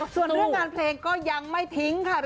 ส่วนเรื่องงานเพลงก็ยังไม่ทิ้งค่ะ